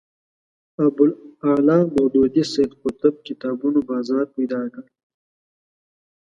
ابوالاعلی مودودي سید قطب کتابونو بازار پیدا کړ